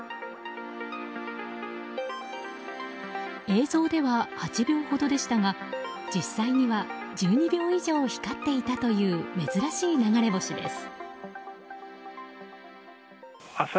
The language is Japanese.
映像では８秒ほどでしたが実際には１２秒以上光っていたという珍しい流れ星です。